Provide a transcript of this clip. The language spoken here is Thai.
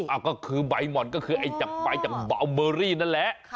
อ้าวก็คือใบม่อนก็คือไอ้จับไปจากบาวเบอรี่นั่นแหละ